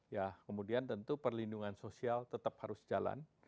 ya kemudian tentu perlindungan sosial tetap harus jalan